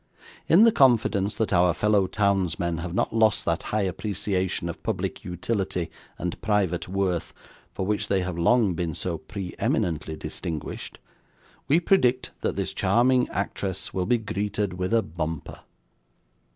In the confidence that our fellow townsmen have not lost that high appreciation of public utility and private worth, for which they have long been so pre eminently distinguished, we predict that this charming actress will be greeted with a bumper.